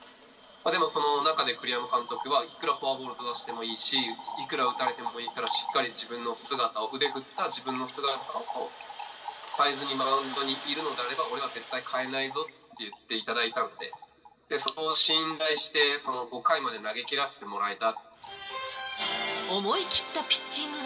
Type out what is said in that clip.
でも、その中で栗山監督は、いくらフォアボールを出してもいいし、いくら打たれてもいいから、しっかり自分の姿を、腕振った自分の姿を変えずに、マウンドにいるのであれば、俺は絶対かえないぞって言っていただいたので、そこを信頼して、５回まで投げきらせてもらえた。